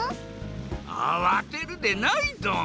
あわてるでないドン。